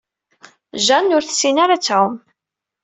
Jane ur tessin ara ad tɛum.